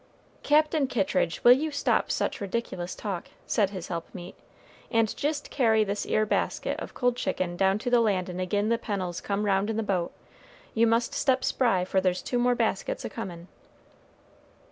"Captain Kittridge, will you stop such ridiculous talk?" said his helpmeet; "and jist carry this 'ere basket of cold chicken down to the landin' agin the Pennels come round in the boat; and you must step spry, for there's two more baskets a comin'."